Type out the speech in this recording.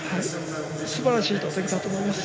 すばらしい投てきだと思います。